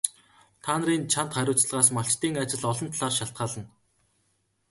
Та нарын чанд хариуцлагаас малчдын ажил олон талаар шалтгаална.